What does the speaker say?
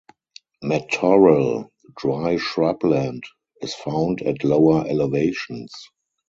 Matorral (dry shrubland) is found at lower elevations.